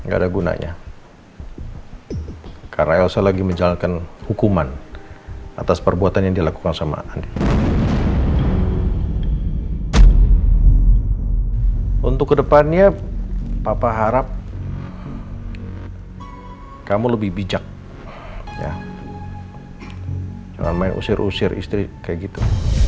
karena elsa lagi menjalankan hukuman atas perbuatan yang dilakukan sama anda untuk kedepannya papa harap kamu lebih bijak jangan usir usir istri kayak gitu